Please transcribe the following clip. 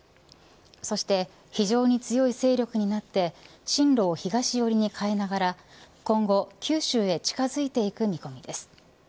そして、非常に強い勢力となって進路を東寄りに変えながら今後、九州に近づいていく見込みです。